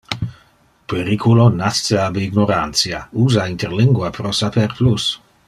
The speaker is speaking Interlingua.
Periculo nasce ab ignorantia, usa interlingua pro saper plus!